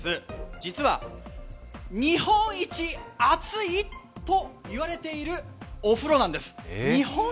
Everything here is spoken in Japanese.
実は、日本一熱いと言われているお風呂なんです。